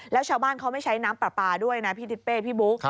แล้วชาวบ้านเขาไม่ใช้น้ำปลาปลาด้วยนะพี่ทิศเป้พี่บุ๊ค